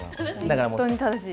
本当に正しい。